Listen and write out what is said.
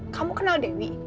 kamu kenal dewi